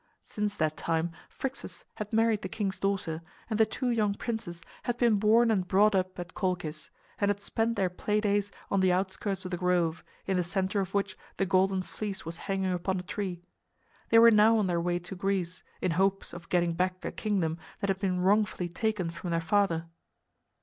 Since that time Phrixus had married the king's daughter, and the two young princes had been born and brought up at Colchis, and had spent their play days on the outskirts of the grove, in the center of which the Golden Fleece was hanging upon a tree. They were now on their way to Greece, in hopes of getting back a kingdom that had been wrongfully taken from their father.